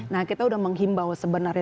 nah kita sudah menghimbau sebenarnya